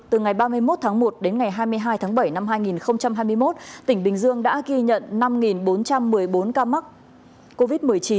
từ ngày ba mươi một tháng một đến ngày hai mươi hai tháng bảy năm hai nghìn hai mươi một tỉnh bình dương đã ghi nhận năm bốn trăm một mươi bốn ca mắc covid một mươi chín